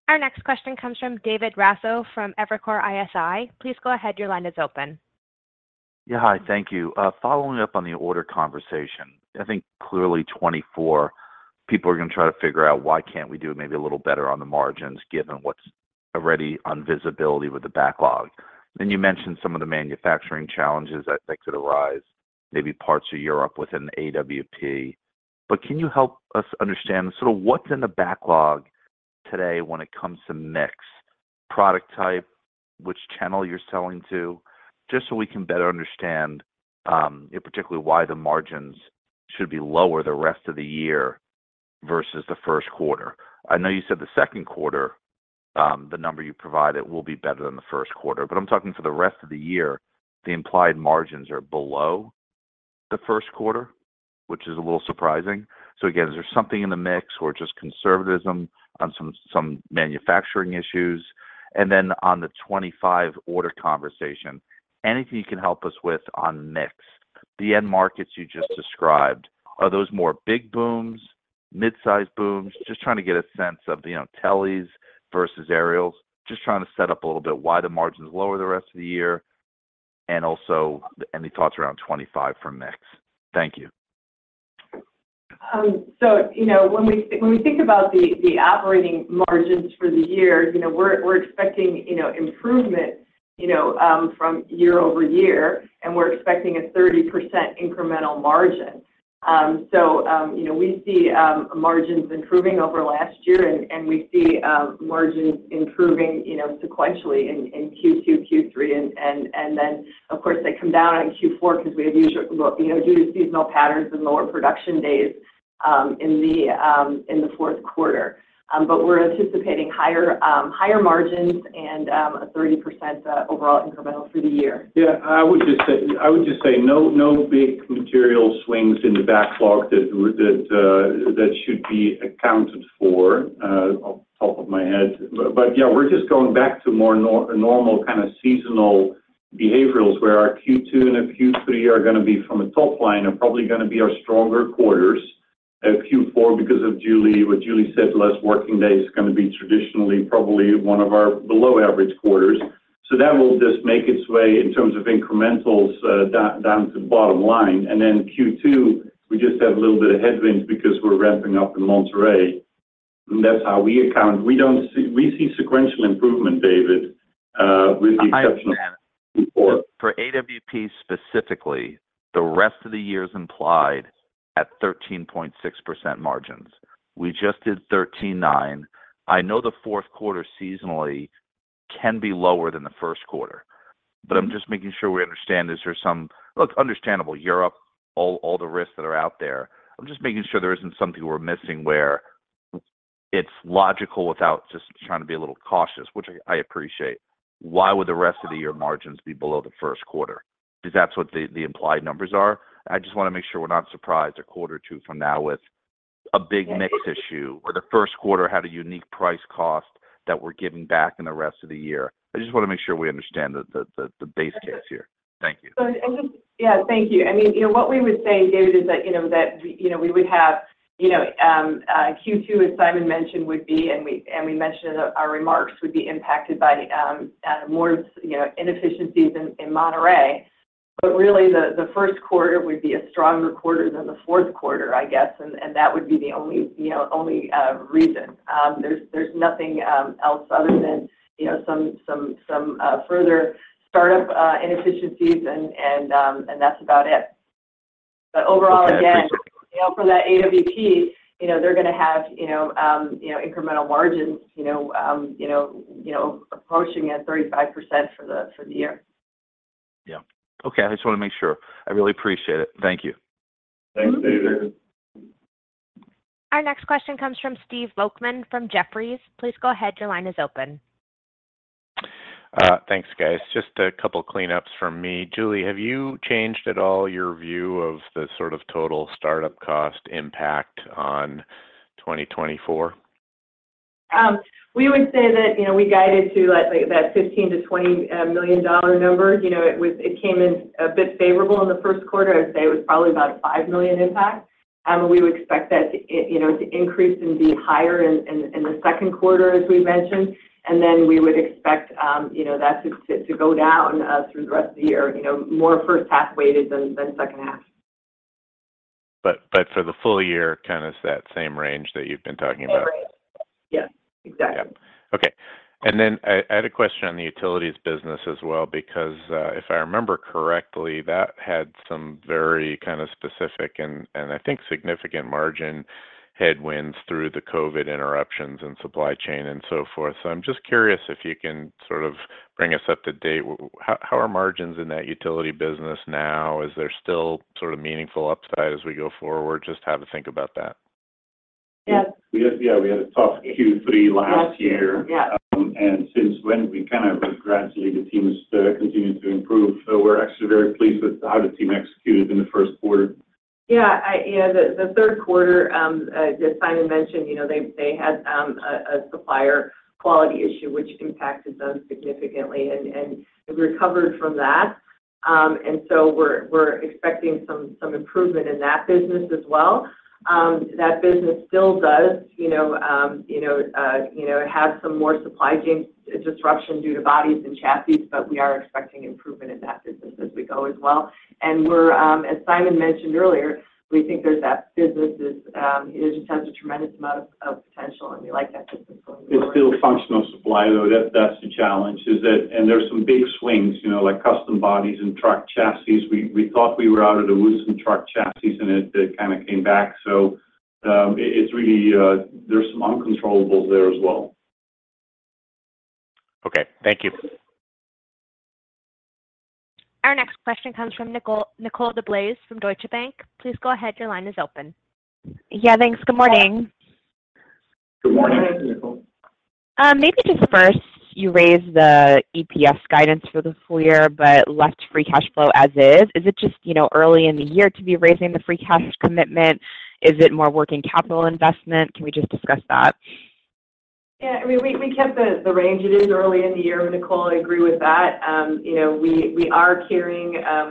Our next question comes from David Raso from Evercore ISI. Please go ahead. Your line is open. Yeah. Hi. Thank you. Following up on the order conversation, I think clearly 2024, people are going to try to figure out why can't we do it maybe a little better on the margins given what's already on visibility with the backlog. And you mentioned some of the manufacturing challenges that could arise, maybe parts of Europe within AWP. But can you help us understand sort of what's in the backlog today when it comes to mix, product type, which channel you're selling to, just so we can better understand, particularly, why the margins should be lower the rest of the year versus the first quarter? I know you said the second quarter, the number you provided, will be better than the first quarter. But I'm talking for the rest of the year, the implied margins are below the first quarter, which is a little surprising. So again, is there something in the mix or just conservatism on some manufacturing issues? And then on the 2025 order conversation, anything you can help us with on mix, the end markets you just described, are those more big booms, midsize booms? Just trying to get a sense of teles versus aerials, just trying to set up a little bit why the margins lower the rest of the year, and also any thoughts around 2025 for mix. Thank you. So when we think about the operating margins for the year, we're expecting improvement from year-over-year, and we're expecting a 30% incremental margin. So we see margins improving over last year, and we see margins improving sequentially in Q2, Q3. And then, of course, they come down in Q4 because we have due to seasonal patterns and lower production days in the fourth quarter. But we're anticipating higher margins and a 30% overall incremental for the year. Yeah. I would just say no big material swings in the backlog that should be accounted for off the top of my head. But yeah, we're just going back to more normal kind of seasonal behaviors where our Q2 and our Q3 are going to be from a top line, are probably going to be our stronger quarters. Q4, because of what Julie said, less working days, is going to be traditionally probably one of our below-average quarters. So that will just make its way in terms of incrementals down to the bottom line. And then Q2, we just have a little bit of headwind because we're ramping up in Monterrey. And that's how we account. We see sequential improvement, David, with the exception of Q4. For AWP specifically, the rest of the year is implied at 13.6% margins. We just did 13.9%. I know the fourth quarter seasonally can be lower than the first quarter, but I'm just making sure we understand, is there some look, understandable, Europe, all the risks that are out there. I'm just making sure there isn't something we're missing where it's logical without just trying to be a little cautious, which I appreciate. Why would the rest of the year margins be below the first quarter? Is that what the implied numbers are? I just want to make sure we're not surprised a quarter or two from now with a big mix issue where the first quarter had a unique price cost that we're giving back in the rest of the year. I just want to make sure we understand the base case here. Thank you. Yeah. Thank you. I mean, what we would say, David, is that we would have Q2, as Simon mentioned, would be and we mentioned in our remarks, would be impacted by more inefficiencies in Monterrey. But really, the first quarter would be a stronger quarter than the fourth quarter, I guess. And that would be the only reason. There's nothing else other than some further startup inefficiencies, and that's about it. But overall, again, for that AWP, they're going to have incremental margins approaching at 35% for the year. Yeah. Okay. I just want to make sure. I really appreciate it. Thank you. Thanks, David. Our next question comes from Stephen Volkmann from Jefferies. Please go ahead. Your line is open. Thanks, guys. Just a couple of cleanups from me. Julie, have you changed at all your view of the sort of total startup cost impact on 2024? We would say that we guided to that $15-$20 million number. It came in a bit favorable in the first quarter. I would say it was probably about a $5 million impact. We would expect that to increase and be higher in the second quarter, as we mentioned. And then we would expect that to go down through the rest of the year, more first-half weighted than second-half. For the full year, kind of that same range that you've been talking about? Same range. Yes. Exactly. Yeah. Okay. And then I had a question on the utilities business as well because, if I remember correctly, that had some very kind of specific and, I think, significant margin headwinds through the COVID interruptions and supply chain and so forth. So I'm just curious if you can sort of bring us up to date. How are margins in that utility business now? Is there still sort of meaningful upside as we go forward? Just have a think about that. Yeah. Yeah. We had a tough Q3 last year. Since then, we kind of gradually, the team has continued to improve. So we're actually very pleased with how the team executed in the first quarter. Yeah. Yeah. The third quarter, as Simon mentioned, they had a supplier quality issue, which impacted them significantly. We recovered from that. So we're expecting some improvement in that business as well. That business still does have some more supply chain disruption due to bodies and chassis, but we are expecting improvement in that business as we go as well. As Simon mentioned earlier, we think that business is. It just has a tremendous amount of potential, and we like that business going forward. It's still functional supply, though. That's the challenge, is that and there's some big swings like custom bodies and truck chassis. We thought we were out of the woods in truck chassis, and it kind of came back. So there's some uncontrollables there as well. Okay. Thank you. Our next question comes from Nicole DeBlase from Deutsche Bank. Please go ahead. Your line is open. Yeah. Thanks. Good morning. Good morning, Nicole. Maybe just first, you raised the EPS guidance for the full year but left free cash flow as is. Is it just early in the year to be raising the free cash commitment? Is it more working capital investment? Can we just discuss that? Yeah. I mean, we kept the range. It is early in the year, Nicole. I agree with that.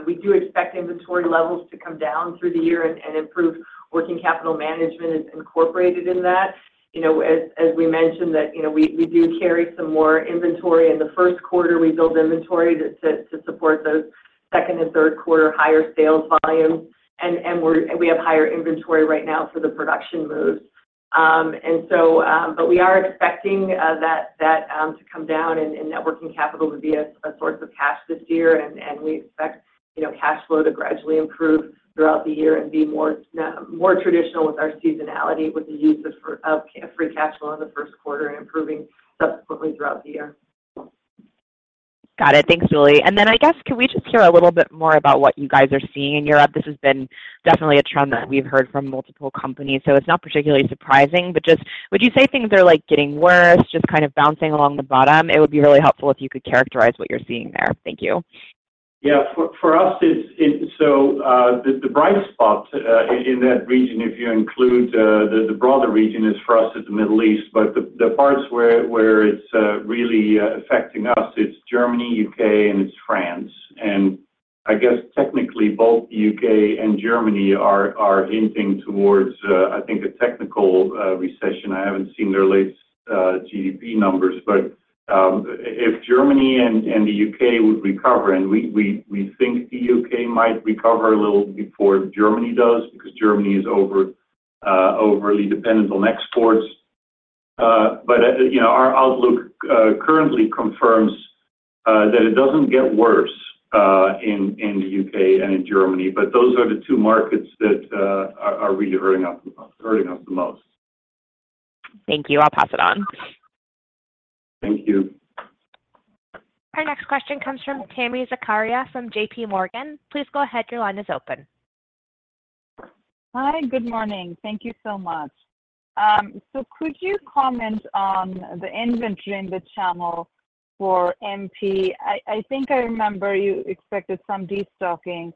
We do expect inventory levels to come down through the year and improve. Working capital management is incorporated in that. As we mentioned, we do carry some more inventory. In the first quarter, we build inventory to support those second and third quarter higher sales volumes. And we have higher inventory right now for the production moves. But we are expecting that to come down, and net working capital would be a source of cash this year. And we expect cash flow to gradually improve throughout the year and be more traditional with our seasonality with the use of free cash flow in the first quarter and improving subsequently throughout the year. Got it. Thanks, Julie. And then I guess, can we just hear a little bit more about what you guys are seeing in Europe? This has been definitely a trend that we've heard from multiple companies, so it's not particularly surprising. But just would you say things are getting worse, just kind of bouncing along the bottom? It would be really helpful if you could characterize what you're seeing there. Thank you. Yeah. For us, it's so the bright spot in that region, if you include the broader region, is for us at the Middle East. But the parts where it's really affecting us, it's Germany, U.K., and it's France. And I guess, technically, both the U.K. and Germany are hinting towards, I think, a technical recession. I haven't seen their latest GDP numbers. But if Germany and the U.K. would recover, and we think the U.K. might recover a little before Germany does because Germany is overly dependent on exports. But our outlook currently confirms that it doesn't get worse in the U.K. and in Germany. But those are the two markets that are really hurting us the most. Thank you. I'll pass it on. Thank you. Our next question comes from Tami Zakaria from JPMorgan. Please go ahead. Your line is open. Hi. Good morning. Thank you so much. Could you comment on the inventory in the channel for MP? I think I remember you expected some destocking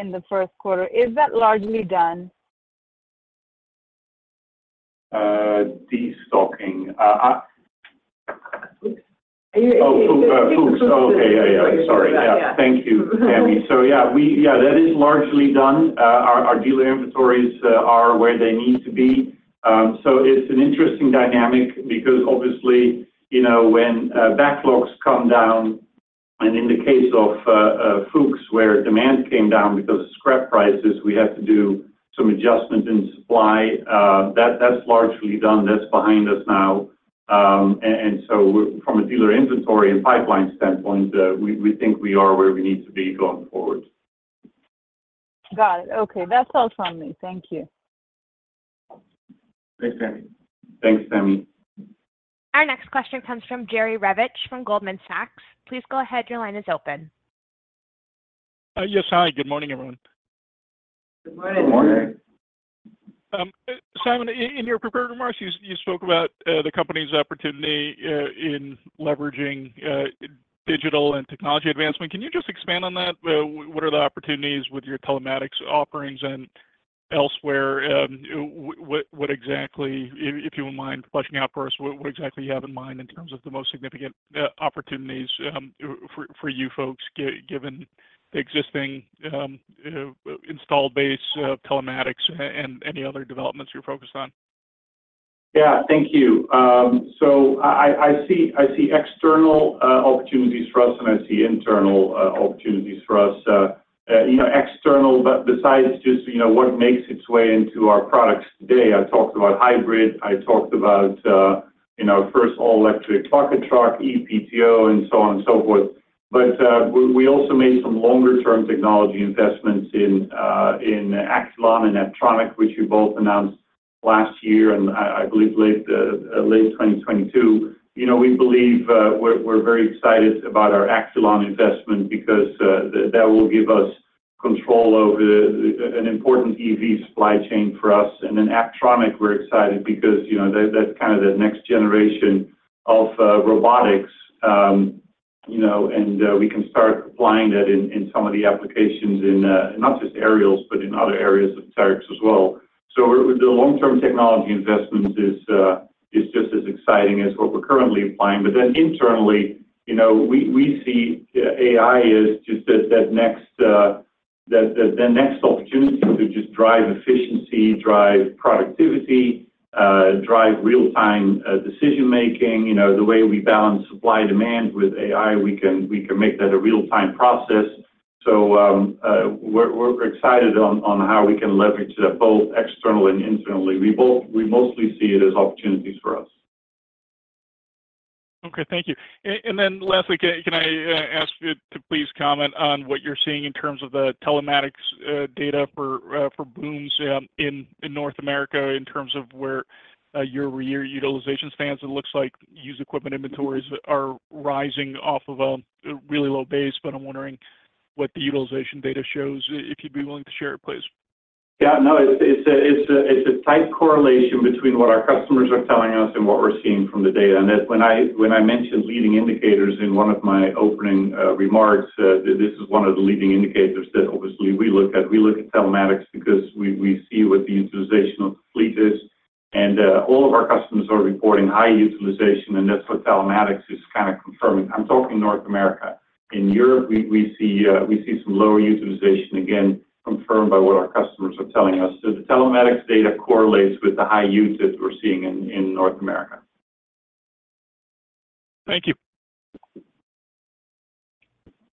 in the first quarter. Is that largely done? Destocking. Oh, Fuchs. Oh, okay. Yeah. Yeah. Sorry. Yeah. Thank you, Tami. So yeah. Yeah. That is largely done. Our dealer inventories are where they need to be. So it's an interesting dynamic because, obviously, when backlogs come down, and in the case of Fuchs, where demand came down because of scrap prices, we had to do some adjustment in supply, that's largely done. That's behind us now. And so from a dealer inventory and pipeline standpoint, we think we are where we need to be going forward. Got it. Okay. That's all from me. Thank you. Thanks, Tami. Thanks, Tami. Our next question comes from Jerry Revich from Goldman Sachs. Please go ahead. Your line is open. Yes. Hi. Good morning, everyone. Good morning. Good morning. Simon, in your prepared remarks, you spoke about the company's opportunity in leveraging digital and technology advancement. Can you just expand on that? What are the opportunities with your telematics offerings and elsewhere? If you don't mind fleshing out for us, what exactly you have in mind in terms of the most significant opportunities for you folks given the existing installed base of telematics and any other developments you're focused on? Yeah. Thank you. So I see external opportunities for us, and I see internal opportunities for us. External besides just what makes its way into our products today. I talked about hybrid. I talked about our first all-electric bucket truck, ePTO, and so on and so forth. But we also made some longer-term technology investments in Acculon and Apptronik, which we both announced last year, and I believe late 2022. We believe we're very excited about our Acculon investment because that will give us control over an important EV supply chain for us. And then Apptronik, we're excited because that's kind of that next generation of robotics, and we can start applying that in some of the applications, not just aerials, but in other areas of Terex as well. So the long-term technology investment is just as exciting as what we're currently applying. But then internally, we see AI as just that next opportunity to just drive efficiency, drive productivity, drive real-time decision-making. The way we balance supply-demand with AI, we can make that a real-time process. So we're excited on how we can leverage that both externally and internally. We mostly see it as opportunities for us. Okay. Thank you. And then lastly, can I ask you to please comment on what you're seeing in terms of the telematics data for booms in North America in terms of where your year-over-year utilization stands? It looks like used equipment inventories are rising off of a really low base, but I'm wondering what the utilization data shows. If you'd be willing to share it, please. Yeah. No. It's a tight correlation between what our customers are telling us and what we're seeing from the data. And when I mentioned leading indicators in one of my opening remarks, this is one of the leading indicators that, obviously, we look at. We look at telematics because we see what the utilization of the fleet is. And all of our customers are reporting high utilization, and that's what telematics is kind of confirming. I'm talking North America. In Europe, we see some lower utilization, again, confirmed by what our customers are telling us. So the telematics data correlates with the high use that we're seeing in North America. Thank you.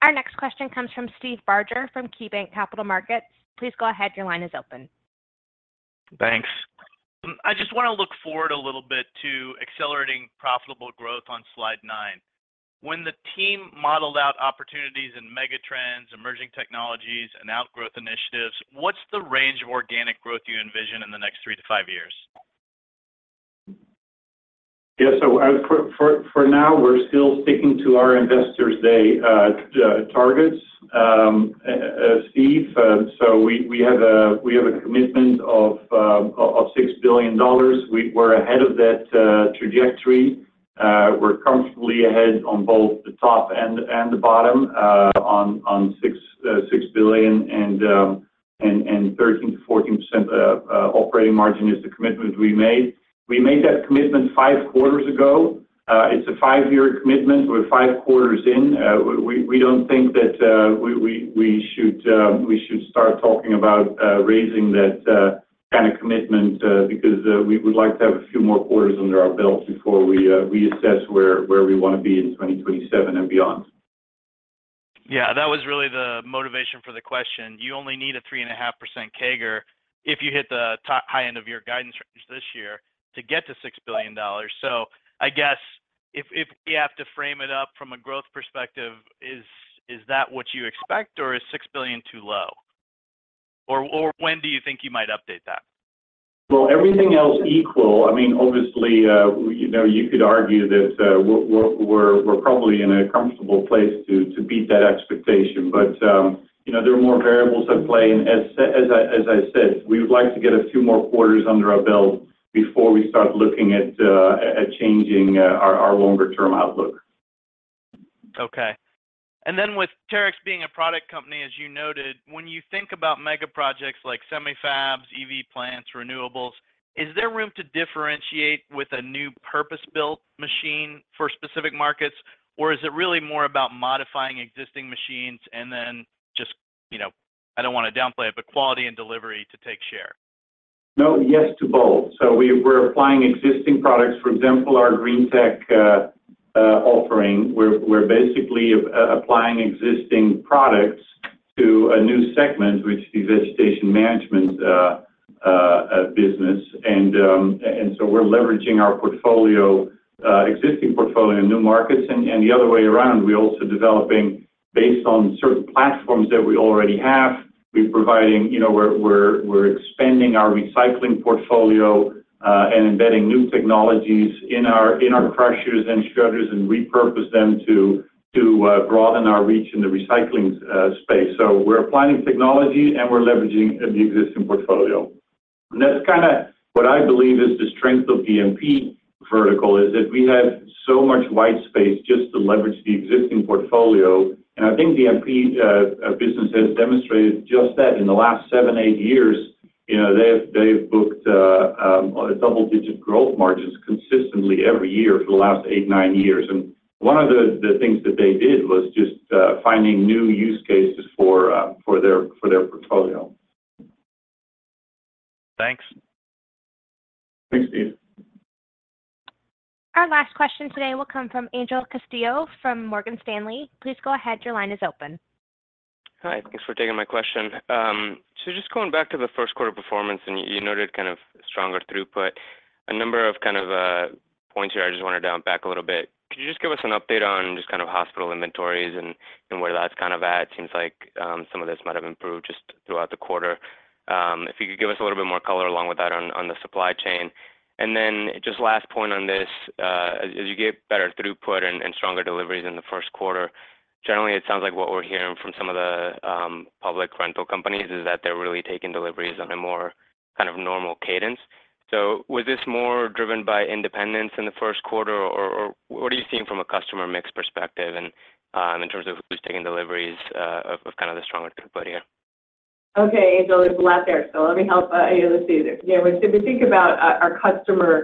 Our next question comes from Steve Barger from KeyBanc Capital Markets. Please go ahead. Your line is open. Thanks. I just want to look forward a little bit to accelerating profitable growth on slide 9. When the team modeled out opportunities in megatrends, emerging technologies, and outgrowth initiatives, what's the range of organic growth you envision in the next three to five years? Yeah. So for now, we're still sticking to our Investor's Day targets, Steve. So we have a commitment of $6 billion. We're ahead of that trajectory. We're comfortably ahead on both the top and the bottom on $6 billion, and 13%-14% operating margin is the commitment we made. We made that commitment five quarters ago. It's a five-year commitment. We're five quarters in. We don't think that we should start talking about raising that kind of commitment because we would like to have a few more quarters under our belt before we assess where we want to be in 2027 and beyond. Yeah. That was really the motivation for the question. You only need a 3.5% CAGR if you hit the high end of your guidance range this year to get to $6 billion. So I guess if we have to frame it up from a growth perspective, is that what you expect, or is $6 billion too low? Or when do you think you might update that? Well, everything else equal. I mean, obviously, you could argue that we're probably in a comfortable place to beat that expectation. But there are more variables at play. And as I said, we would like to get a few more quarters under our belt before we start looking at changing our longer-term outlook. Okay. And then with Terex being a product company, as you noted, when you think about mega projects like semi-fabs, EV plants, renewables, is there room to differentiate with a new purpose-built machine for specific markets, or is it really more about modifying existing machines and then just - I don't want to downplay it - but quality and delivery to take share? No. Yes to both. So we're applying existing products. For example, our Green Tech offering, we're basically applying existing products to a new segment, which is vegetation management business. And so we're leveraging our existing portfolio in new markets. And the other way around, we're also developing based on certain platforms that we already have. We're expanding our recycling portfolio and embedding new technologies in our crushers and shredders and repurpose them to broaden our reach in the recycling space. So we're applying technology, and we're leveraging the existing portfolio. And that's kind of what I believe is the strength of the MP vertical, is that we have so much white space just to leverage the existing portfolio. And I think the MP business has demonstrated just that in the last seven, eight years. They've booked double-digit growth margins consistently every year for the last eight, nine years. One of the things that they did was just finding new use cases for their portfolio. Thanks. Thanks, Steve. Our last question today will come from Angel Castillo from Morgan Stanley. Please go ahead. Your line is open. Hi. Thanks for taking my question. So just going back to the first quarter performance, and you noted kind of stronger throughput, a number of kind of points here. I just want to dive back a little bit. Could you just give us an update on just kind of channel inventories and where that's kind of at? Seems like some of this might have improved just throughout the quarter. If you could give us a little bit more color along with that on the supply chain. And then just last point on this, as you get better throughput and stronger deliveries in the first quarter, generally, it sounds like what we're hearing from some of the public rental companies is that they're really taking deliveries on a more kind of normal cadence. So was this more driven by independents in the first quarter, or what are you seeing from a customer mix perspective in terms of who's taking deliveries of kind of the stronger throughput here? Okay. Angel, it's a lot there. So let me help. Let's see. Yeah. When we think about our customer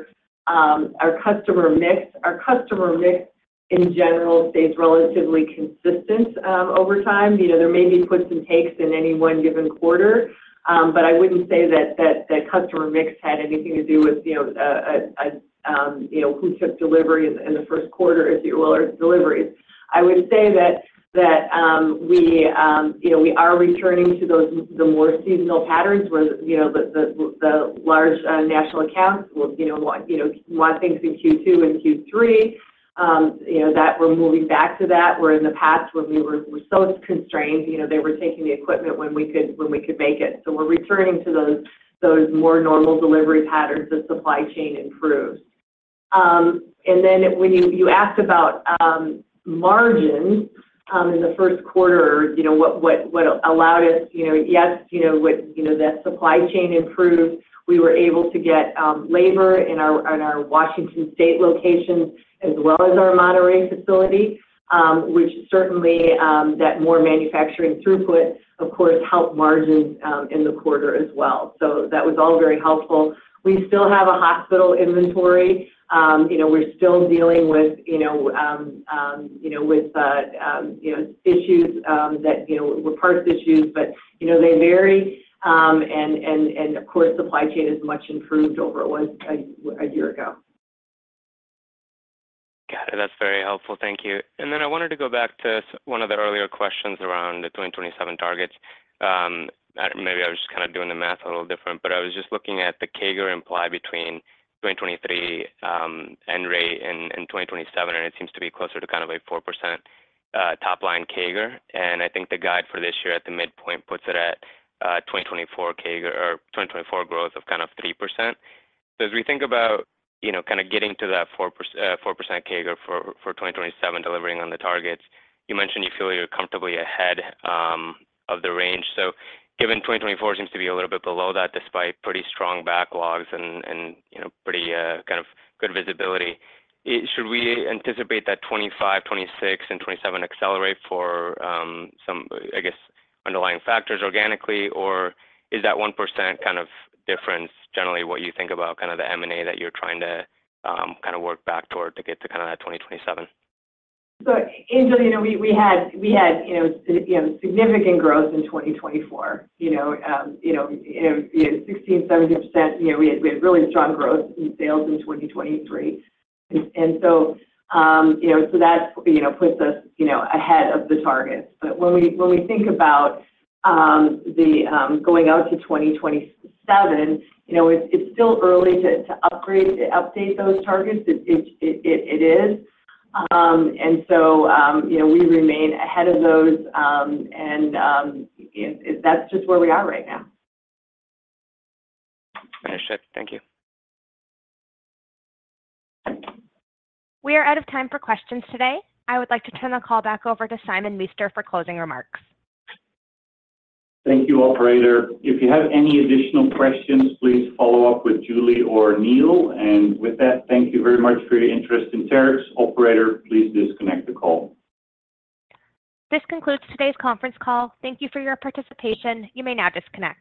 mix, our customer mix in general stays relatively consistent over time. There may be puts and takes in any one given quarter, but I wouldn't say that that customer mix had anything to do with who took delivery in the first quarter, if you will, or deliveries. I would say that we are returning to the more seasonal patterns where the large national accounts want things in Q2 and Q3. We're moving back to that where in the past, when we were so constrained, they were taking the equipment when we could make it. So we're returning to those more normal delivery patterns as supply chain improves. And then when you asked about margins in the first quarter, what allowed us yes, that supply chain improved. We were able to get labor in our Washington State location as well as our Monterrey facility, which certainly that more manufacturing throughput, of course, helped margins in the quarter as well. That was all very helpful. We still have a substantial inventory. We're still dealing with issues that were parts issues, but they vary. Of course, supply chain is much improved over it was a year ago. Got it. That's very helpful. Thank you. And then I wanted to go back to one of the earlier questions around the 2027 targets. Maybe I was just kind of doing the math a little different, but I was just looking at the CAGR implied between 2023 and 2027, and it seems to be closer to kind of a 4% top-line CAGR. And I think the guide for this year at the midpoint puts it at 2024 CAGR or 2024 growth of kind of 3%. So as we think about kind of getting to that 4% CAGR for 2027 delivering on the targets, you mentioned you feel you're comfortably ahead of the range. So given 2024 seems to be a little bit below that despite pretty strong backlogs and pretty kind of good visibility, should we anticipate that 2025, 2026, and 2027 accelerate for some, I guess, underlying factors organically, or is that 1% kind of difference generally what you think about kind of the M&A that you're trying to kind of work back toward to get to kind of that 2027? So, Angel, we had significant growth in 2024, 16%-17%. We had really strong growth in sales in 2023. And so that puts us ahead of the targets. But when we think about going out to 2027, it's still early to update those targets. It is. And so we remain ahead of those, and that's just where we are right now. Understood. Thank you. We are out of time for questions today. I would like to turn the call back over to Simon Meester for closing remarks. Thank you, operator. If you have any additional questions, please follow up with Julie or Neil. With that, thank you very much for your interest in Terex. Operator, please disconnect the call. This concludes today's conference call. Thank you for your participation. You may now disconnect.